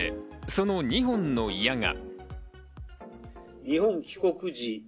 その２本の矢が。